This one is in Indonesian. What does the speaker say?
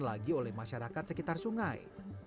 lagi oleh masyarakat sekitar sungai